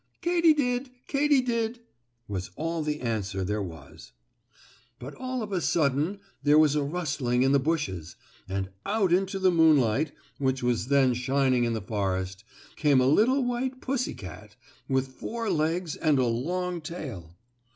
"Katy did! Katy did!" was all the answer there was. But all of a sudden there was a rustling in the bushes, and out into the moonlight, which was then shining in the forest, there came a little white pussy cat, with four legs and a long tail.